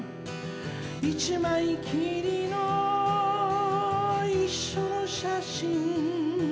「一枚きりの一緒の写真」